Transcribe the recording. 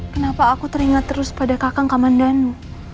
kenapa aku teringat terus pada kakang komandanu